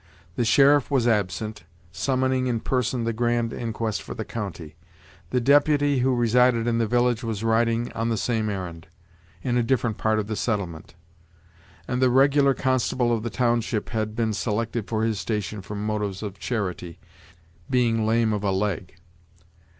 The sheriff was absent, summoning in person the grand inquest for the county; the deputy who resided in the village was riding on the same errand, in a different part of the settlement; and the regular constable of the township had been selected for his station from motives of charity, being lame of a leg.